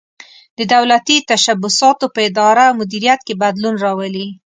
د دولتي تشبثاتو په اداره او مدیریت کې بدلون راولي.